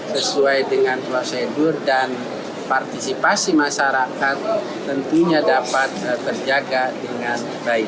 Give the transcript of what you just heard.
sesuai dengan prosedur dan partisipasi masyarakat tentunya dapat terjaga dengan baik